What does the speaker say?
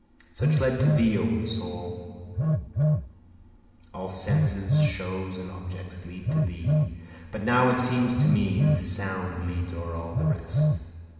(Such led to thee O soul, All senses, shows and objects, lead to thee, But now it seems to me sound leads o'er all the rest.)